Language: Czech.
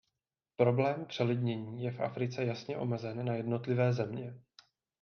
Problém přelidnění je v Africe jasně omezen na jednotlivé země.